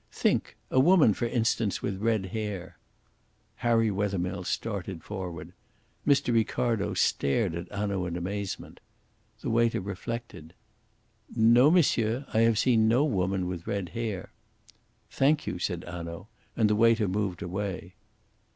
"Think! A woman, for instance, with red hair." Harry Wethermill started forward. Mr. Ricardo stared at Hanaud in amazement. The waiter reflected. "No, monsieur. I have seen no woman with red hair." "Thank you," said Hanaud, and the waiter moved away.